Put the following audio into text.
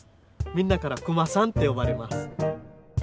みんなからクマさんって呼ばれます。